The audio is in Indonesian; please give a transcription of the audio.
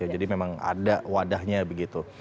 jadi memang ada wadahnya begitu